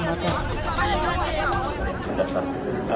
untuk kekenangan warga